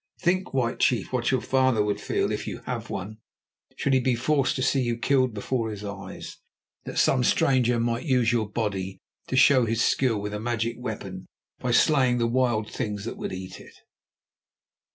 Think, White Chief, what your father would feel, if you have one, should he be forced to see you killed before his eyes, that some stranger might use your body to show his skill with a magic weapon by slaying the wild things that would eat it."